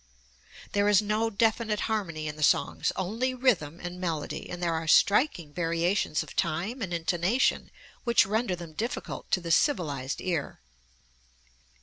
There is no definite harmony in the songs only rhythm and melody, and there are striking variations of time and intonation which render them difficult to the "civilized" ear.